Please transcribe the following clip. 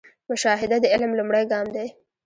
مشاهده د علم لومړی ګام دی